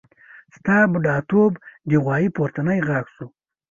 ستا بډاتوب د غوايي پورتنی غاښ شو.